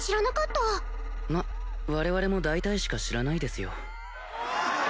たまっ我々も大体しか知らないですよ・すげえ！